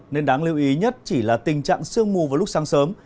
nên đáng lưu ý nhất chỉ là tình trạng sương mù vào lúc sáng sớm